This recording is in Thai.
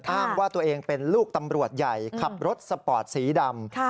อ้างว่าตัวเองเป็นลูกตำรวจใหญ่ขับรถสปอร์ตสีดำ